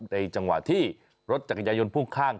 ในจังหวะที่รถจักรยายยนต์พุ่งข้าง